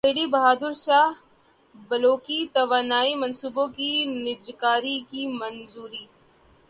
حویلی بہادر شاہ بلوکی توانائی منصوبوں کی نجکاری کی منظوری